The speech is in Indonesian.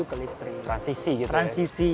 ke listrik transisi gitu ya transisi